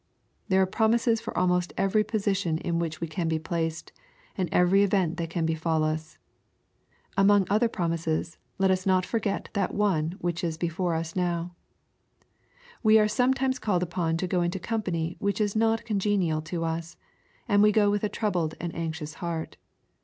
There are promises for almost every position in which we can be placed, and every event that can befall us. Among other promises, let us not forget that one which is now before us. We are sometimes called upon to go into company which is not congenial to us, and we go with a troubled and anxious heart.